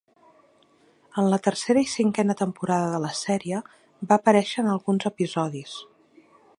En la tercera i cinquena temporada de la sèrie, va aparèixer en alguns episodis.